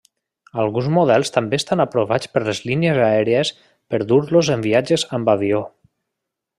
Alguns models també estan aprovats per les línies aèries per dur-los en viatges amb avió.